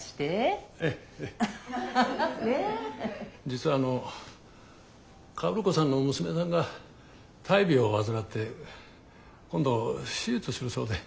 実はあの薫子さんの娘さんが大病を患って今度手術するそうで。